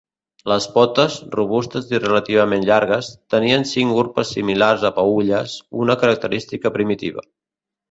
Les potes, robustes i relativament llargues, tenien cinc urpes similars a peülles, una característica primitiva.